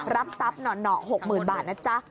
รับทรัพย์หน่อ๖๐๐๐บาทนะจ๊ะ